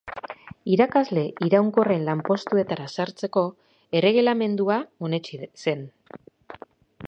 Irakasle iraunkorren lanpostuetara sartzeko erregelamendua onetsi zen.